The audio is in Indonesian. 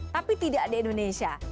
tapi tidak di indonesia